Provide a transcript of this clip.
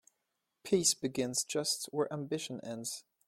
Peace begins just where ambition ends.